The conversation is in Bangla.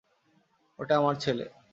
ওটা আমার ছেলে!